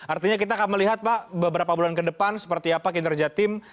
artinya kita akan melihat pak beberapa bulan ke depan seperti apa kinerja tim